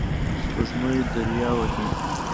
سپوږمۍ دریه وهي